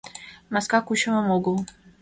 Маска кучымым огыл...